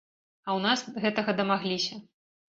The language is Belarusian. А ў нас гэтага дамагліся.